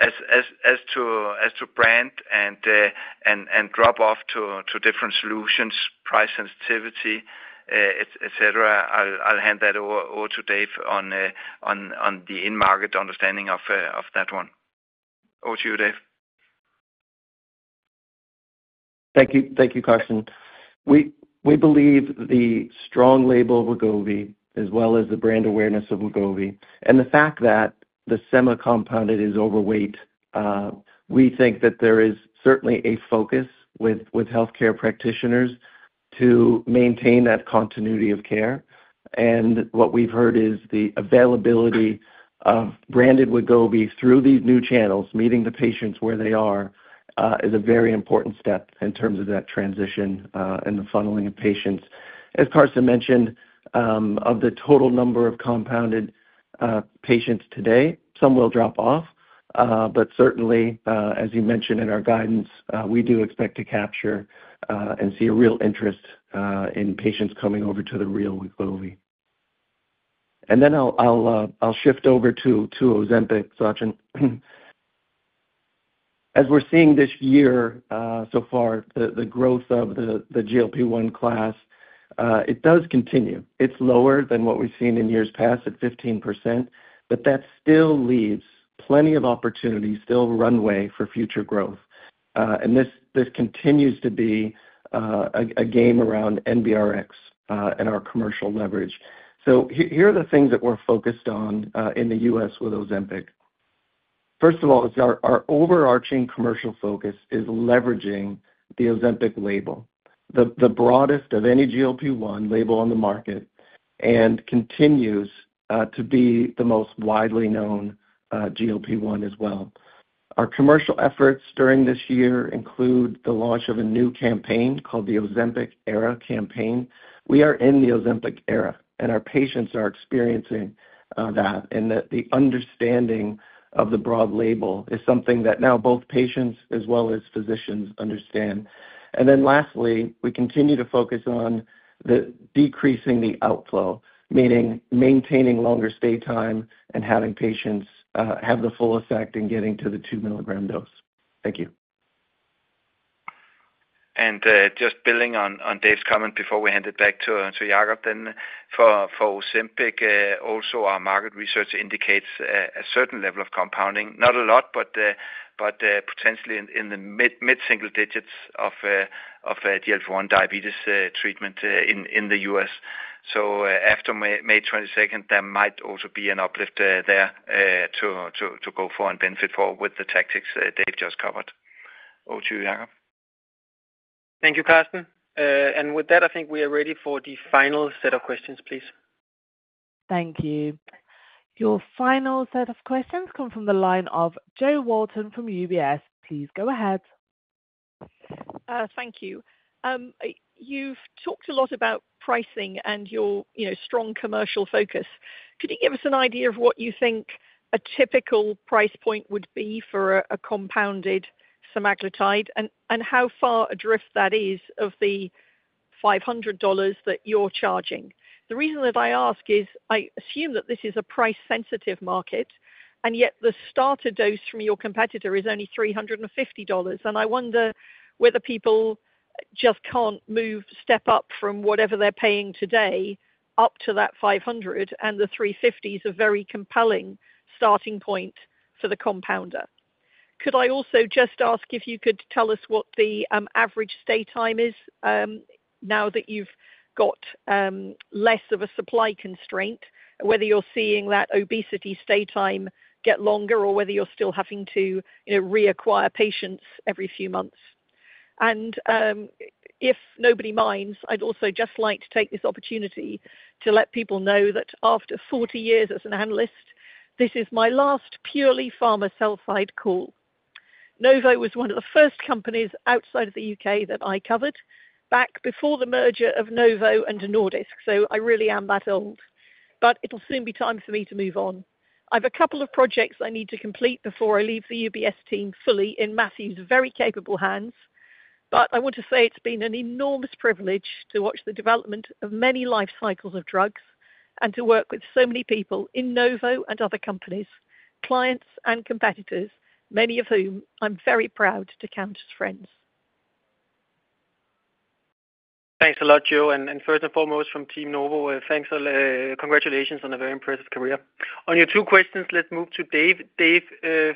As to brand and drop-off to different solutions, price sensitivity, etc., I'll hand that over to Dave on the in-market understanding of that one. Over to you, Dave. Thank you, Karsten. We believe the strong label of Wegovy, as well as the brand awareness of Wegovy, and the fact that the sema compounded is overweight, we think that there is certainly a focus with healthcare practitioners to maintain that continuity of care. What we've heard is the availability of branded Wegovy through these new channels, meeting the patients where they are, is a very important step in terms of that transition and the funneling of patients. As Karsten mentioned, of the total number of compounded patients today, some will drop off. Certainly, as you mentioned in our guidance, we do expect to capture and see a real interest in patients coming over to the real Wegovy. I will shift over to Ozempic, Sachin. As we're seeing this year so far, the growth of the GLP-1 class, it does continue. It's lower than what we've seen in years past at 15%. That still leaves plenty of opportunity, still runway for future growth. This continues to be a game around NBRx and our commercial leverage. Here are the things that we're focused on in the U.S. with Ozempic. First of all, our overarching commercial focus is leveraging the Ozempic label, the broadest of any GLP-1 label on the market, and continues to be the most widely known GLP-1 as well. Our commercial efforts during this year include the launch of a new campaign called the Ozempic Era Campaign. We are in the Ozempic era. Our patients are experiencing that. The understanding of the broad label is something that now both patients as well as physicians understand. Lastly, we continue to focus on decreasing the outflow, meaning maintaining longer stay time and having patients have the full effect in getting to the 2 mg dose. Thank you. Just building on Dave's comment before we hand it back to Jacob, for Ozempic, also our market research indicates a certain level of compounding, not a lot, but potentially in the mid-single digits of GLP-1 diabetes treatment in the U.S. After May 22nd, there might also be an uplift there to go for and benefit for with the tactics Dave just covered. Over to you, Jacob. Thank you, Karsten. With that, I think we are ready for the final set of questions, please. Thank you. Your final set of questions come from the line of Jo Walton from UBS. Please go ahead. Thank you. You've talked a lot about pricing and your strong commercial focus. Could you give us an idea of what you think a typical price point would be for a compounded semaglutide and how far adrift that is of the $500 that you're charging? The reason that I ask is I assume that this is a price-sensitive market, and yet the starter dose from your competitor is only $350. I wonder whether people just can't move a step up from whatever they're paying today up to that $500. The $350 is a very compelling starting point for the compounder. Could I also just ask if you could tell us what the average stay time is now that you've got less of a supply constraint, whether you're seeing that obesity stay time get longer or whether you're still having to reacquire patients every few months? If nobody minds, I'd also just like to take this opportunity to let people know that after 40 years as an analyst, this is my last purely pharma sell side call. Novo was one of the first companies outside of the U.K. that I covered back before the merger of Novo and Nordisk. I really am that old. It will soon be time for me to move on. I have a couple of projects I need to complete before I leave the UBS team fully in Matthew's very capable hands. I want to say it's been an enormous privilege to watch the development of many life cycles of drugs and to work with so many people in Novo and other companies, clients and competitors, many of whom I'm very proud to count as friends. Thanks a lot, Jo. First and foremost from Team Novo, thanks and congratulations on a very impressive career. On your two questions, let's move to Dave. Dave,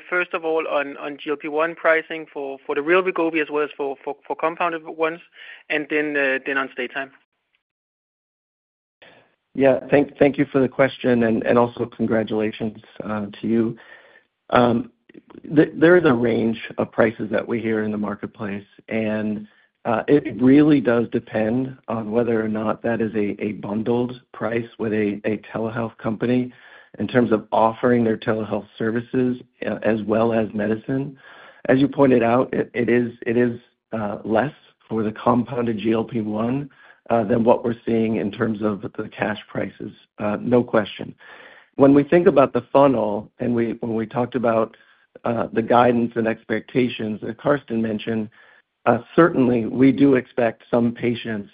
first of all, on GLP-1 pricing for the real Wegovy as well as for compounded ones, and then on stay time. Thank you for the question. Also, congratulations to you. There is a range of prices that we hear in the marketplace. It really does depend on whether or not that is a bundled price with a telehealth company in terms of offering their telehealth services as well as medicine. As you pointed out, it is less for the compounded GLP-1 than what we are seeing in terms of the cash prices, no question. When we think about the funnel and when we talked about the guidance and expectations that Karsten mentioned, certainly, we do expect some patients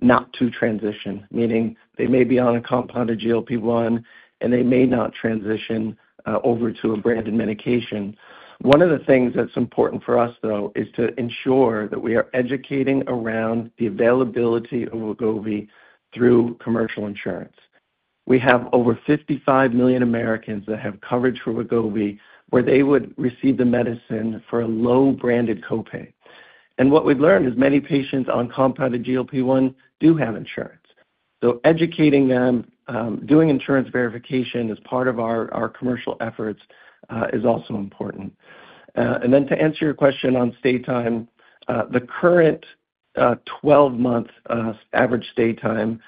not to transition, meaning they may be on a compounded GLP-1, and they may not transition over to a branded medication. One of the things that is important for us, though, is to ensure that we are educating around the availability of Wegovy through commercial insurance. We have over 55 million Americans that have coverage for Wegovy where they would receive the medicine for a low branded copay. What we've learned is many patients on compounded GLP-1 do have insurance. Educating them, doing insurance verification as part of our commercial efforts is also important. To answer your question on stay time, the current 12-month average stay time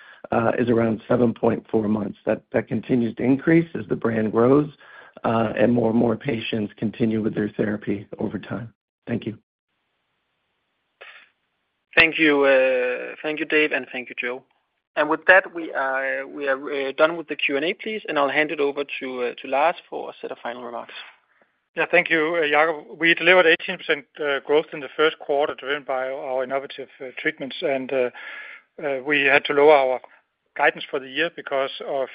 is around 7.4 months. That continues to increase as the brand grows and more and more patients continue with their therapy over time. Thank you. Thank you, Dave, and thank you, Jo. With that, we are done with the Q&A, please. I'll hand it over to Lars for a set of final remarks. Thank you, Jacob. We delivered 18% growth in the first quarter driven by our innovative treatments. We had to lower our guidance for the year because of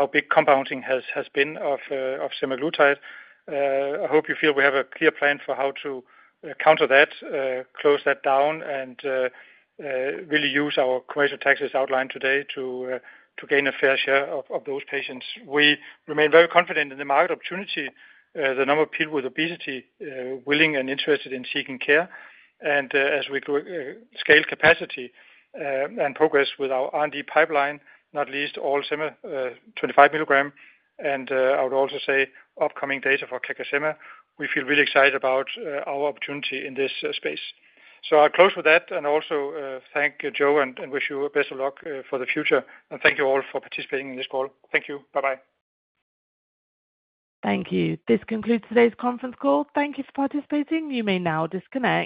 how big compounding has been of semaglutide. I hope you feel we have a clear plan for how to counter that, close that down, and really use our commercial tactics outlined today to gain a fair share of those patients. We remain very confident in the market opportunity, the number of people with obesity willing and interested in seeking care. As we scale capacity and progress with our R&D pipeline, not least all semaglutide 25 mg. I would also say upcoming data for CagriSema, we feel really excited about our opportunity in this space. I will close with that and also thank Joe and wish you the best of luck for the future. Thank you all for participating in this call. Thank you. Bye-bye. Thank you. This concludes today's conference call. Thank you for participating. You may now disconnect.